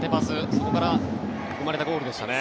そこから生まれたゴールでしたね。